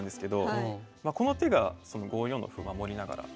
この手が５四の歩守りながら。